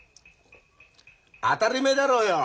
当たりめえだろうよ。